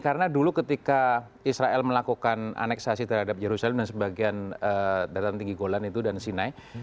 karena dulu ketika israel melakukan aneksasi terhadap yerusalem dan sebagian dataran tinggi golan itu dan sinai